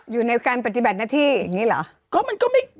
อยู่ในการปฏิบัติหน้าที่อย่างนี้เหรอ